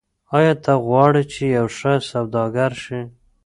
آیا ته غواړې چې یو ښه سوداګر شې؟